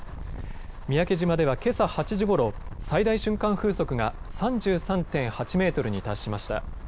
三宅島ではけさ８時ごろ、最大瞬間風速が３３．８メートルに達しました。